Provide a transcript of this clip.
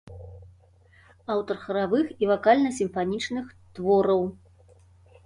Аўтар харавых і вакальна-сімфанічных твораў.